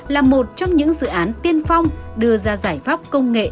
là một trong những dự án tiên phong đưa ra giải pháp công nghệ